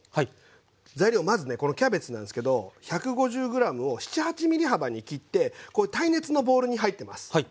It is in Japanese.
材料まずねこのキャベツなんすけど１５０ｇを７８ｍｍ幅に切ってこういう耐熱のボウルに入ってます。